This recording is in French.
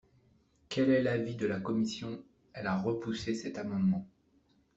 Quel est l’avis de la commission ? Elle a repoussé cet amendement.